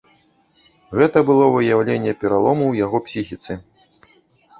Гэта было выяўленне пералому ў яго псіхіцы.